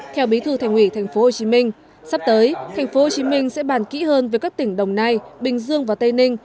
theo bí thư thành ủy tp hcm sắp tới tp hcm sẽ bàn kỹ hơn với các tỉnh đồng nai bình dương và tây ninh